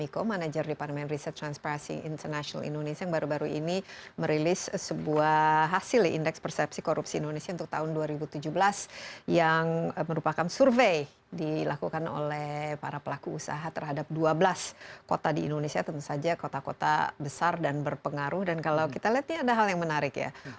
karena kita sudah lihat makin banyak skor yang berpengaruh dan berpengaruh dan kalau kita lihat ini ada hal yang menarik ya